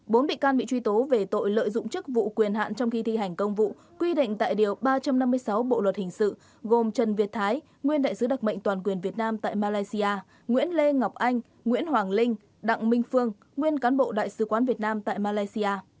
bốn bị can bị truy tố về tội lợi dụng chức vụ quyền hạn trong khi thi hành công vụ quy định tại điều ba trăm năm mươi sáu bộ luật hình sự gồm trần việt thái nguyên đại sứ đặc mệnh toàn quyền việt nam tại malaysia nguyễn lê ngọc anh nguyễn hoàng linh đặng minh phương nguyên cán bộ đại sứ quán việt nam tại malaysia